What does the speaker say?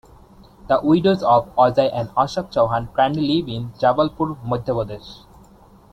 The widows of Ajay and Ashok Chauhan currently live in Jabalpur, Madhya Pradesh.